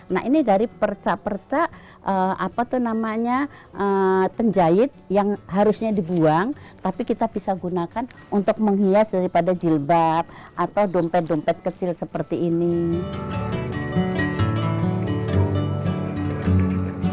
nah ini dari perca perca apa tuh namanya penjahit yang harusnya dibuang tapi kita bisa gunakan untuk menghias daripada jilbab atau dompet dompet kecil seperti ini